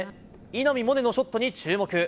稲見萌寧のショットに注目。